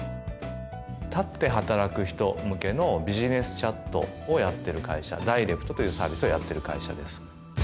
立って働く人向けのビジネスチャットをやってる会社「ｄｉｒｅｃｔ」というサービスをやっている会社です